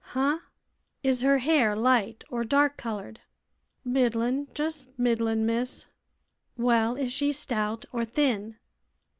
"Heh?" "Is her hair light or dark colored?" "Middlin'; jes' middlin', miss." "Well, is she stout or thin?"